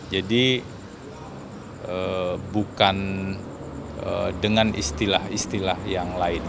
jadi bukan dengan istilah istilah yang lain